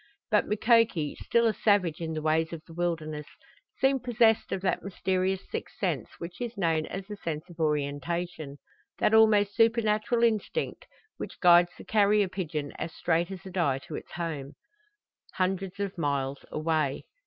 But Mukoki, still a savage in the ways of the wilderness, seemed possessed of that mysterious sixth sense which is known as the sense of orientation that almost supernatural instinct which guides the carrier pigeon as straight as a die to its home cote hundreds of miles away.